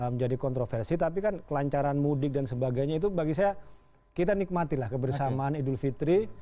menjadi kontroversi tapi kan kelancaran mudik dan sebagainya itu bagi saya kita nikmatilah kebersamaan idul fitri